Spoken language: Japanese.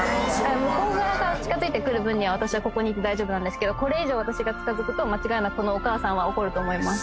向こう側から近づいてくる分には私はここにいて大丈夫なんですけどこれ以上私が近づくと間違いなくこのお母さんは怒ると思います